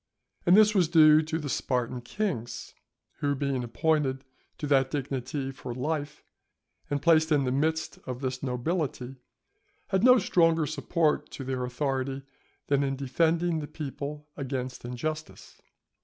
And this was due to the Spartan kings, who, being appointed to that dignity for life, and placed in the midst of this nobility, had no stronger support to their authority than in defending the people against injustice.